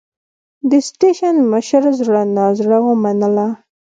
د سټېشن مشر زړه نازړه ومنله.